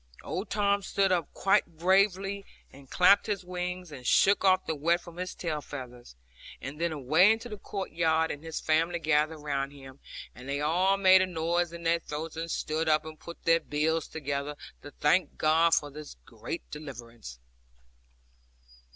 Old Tom stood up quite bravely, and clapped his wings, and shook off the wet from his tail feathers; and then away into the court yard, and his family gathered around him, and they all made a noise in their throats, and stood up, and put their bills together, to thank God for this great deliverance.